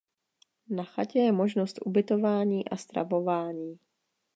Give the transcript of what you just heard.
Na chatě je možnost ubytování a stravování.